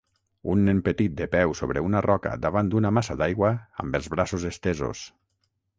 Un nen petit de peu sobre una roca davant d'una massa d'aigua amb els braços estesos.